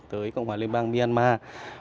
tới cộng hòa liên bang myanmar